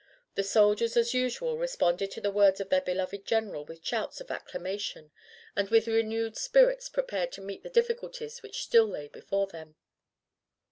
The soldiers as usual responded to the words of their beloved general with shouts of acclamation, and with renewed spirits prepared to meet the difficulties which still lay before them.